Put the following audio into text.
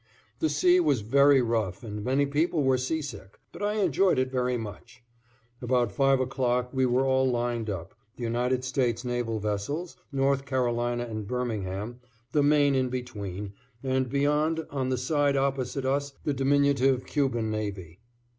The sea was very rough and many people were sea sick, but I enjoyed it very much. About 5 o'clock we were all lined up, the United States naval vessels, North Carolina and Birmingham, the Maine in between, and beyond on the side opposite us the diminutive Cuban navy.